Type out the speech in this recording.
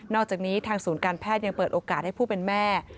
อกจากนี้ทางศูนย์การแพทย์ยังเปิดโอกาสให้ผู้เป็นแม่